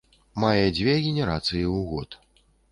Мае дзве генерацыі ў год.